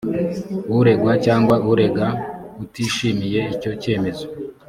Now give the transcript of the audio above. uregwa cyangwa urega utishimiye icyo cyemezo